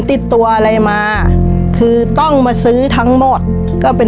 ชีวิตหนูเกิดมาเนี่ยอยู่กับดิน